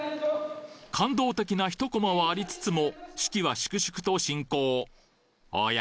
感動的なひとコマはありつつも式は粛々と進行おや？